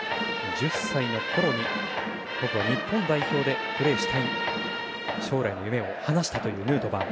１０歳のころに僕は日本代表でプレーしたいと将来の夢を話したというヌートバー。